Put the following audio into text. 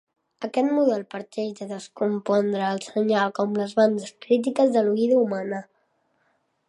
Aquest model parteix de descompondre el senyal com les bandes crítiques de l'oïda humana.